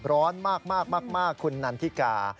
ร้อนมากคุณนันทิกา